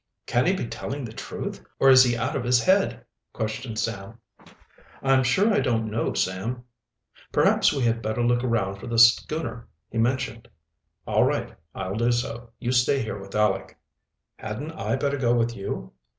"Can he be telling the truth, or is he out of his head?" questioned Sam. "I'm sure I don't know, Sam." "Perhaps we had better look around for the schooner he mentioned." "All right, I'll do so. You stay here with Aleck." "Hadn't I better go with you?"